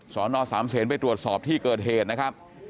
สอนอสามเซนไปตรวจสอบที่เกิดเหตุนะครับ